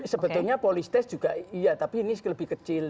sebetulnya polistes juga iya tapi ini lebih kecil